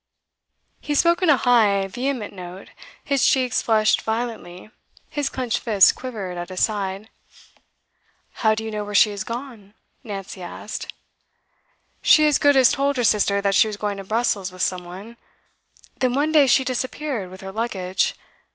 He spoke in a high, vehement note; his cheeks flushed violently, his clenched fist quivered at his side. 'How do you know where she is gone?' Nancy asked. 'She as good as told her sister that she was going to Brussels with some one. Then one day she disappeared, with her luggage.